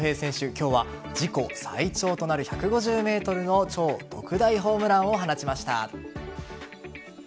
今日は自己最長となる１５０ｍの超特大ホームランを放ちました。